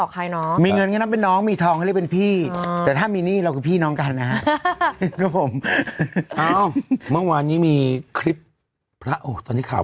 ฉันดูหน่อยสิเออนึกออกไหมนะฮะวันนี้มีเรื่องราวของพระอีกแล้ว